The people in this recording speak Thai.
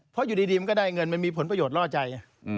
เพราะอยู่ดีมันก็ได้เงินมันมีผลประโยชน์ล่อใจ